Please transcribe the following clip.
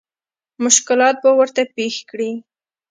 مشکلات به ورته پېښ کړي.